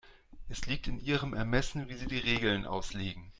Es liegt in Ihrem Ermessen, wie Sie die Regeln auslegen.